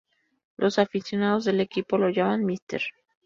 Los aficionados del equipo lo llaman Mr.